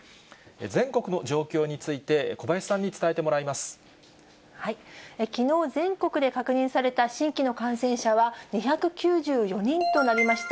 全国の状況について、きのう、全国で確認された新規の感染者は２９４人となりました。